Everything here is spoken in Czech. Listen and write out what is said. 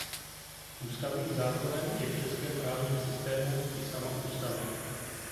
Ústavním zákonem je v českém právním systému i sama Ústava.